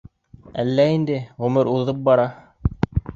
—, Әллә инде, ғүмер уҙып бара.